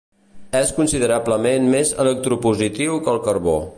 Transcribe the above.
És considerablement més electropositiu que el carbó.